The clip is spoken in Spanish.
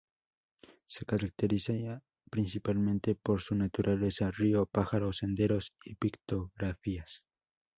Se caracteriza principalmente por su naturaleza, río, pájaros, senderos y pictografías.